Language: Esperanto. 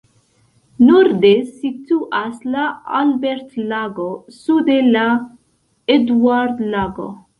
Norde situas la Albert-Lago, sude la Eduard-Lago.